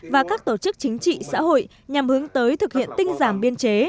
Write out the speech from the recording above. và các tổ chức chính trị xã hội nhằm hướng tới thực hiện tinh giảm biên chế